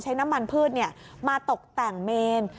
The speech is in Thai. น้ำมันพืชมาตกแต่งเมน